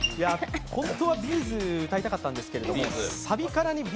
本当はＢ’ｚ歌いたかったんですけど、サビカラにＢ